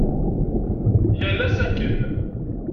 Yal ass akken.